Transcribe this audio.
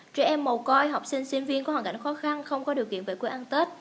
trẻ em màu coi học sinh sinh viên có hoàn cảnh khó khăn không có điều kiện về cuối ăn tết